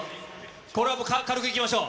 これは軽くいきましょう。